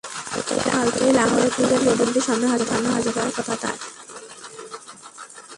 কালই লাহোরে ক্রিকেট বোর্ডের তদন্ত কমিটির সামনে হাজির হওয়ার কথা তাঁর।